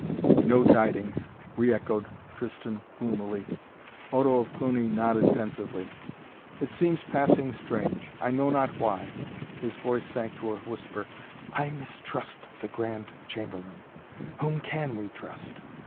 "No tidings," reechoed Tristan gloomily. Odo of Cluny nodded pensively. "It seems passing strange. I know not why " his voice sank to a whisper. "I mistrust the Grand Chamberlain. Whom can we trust?